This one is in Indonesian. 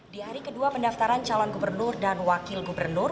di hari kedua pendaftaran calon gubernur dan wakil gubernur